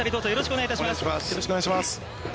よろしくお願いします。